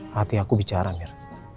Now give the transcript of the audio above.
hati aku bicara mir